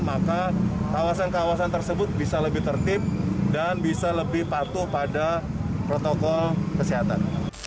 maka kawasan kawasan tersebut bisa lebih tertib dan bisa lebih patuh pada protokol kesehatan